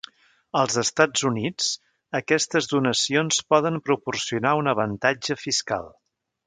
Als Estats Units, aquestes donacions poden proporcionar un avantatge fiscal.